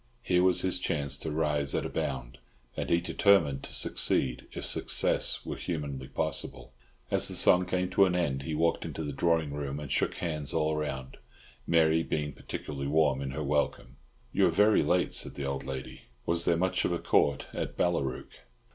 Here was his chance to rise at a bound, and he determined to succeed if success were humanly possible. As the song came to an end, he walked into the drawing room and shook hands all round, Mary being particularly warm in her welcome. "You are very late," said the old lady. "Was there much of a Court at Ballarook?"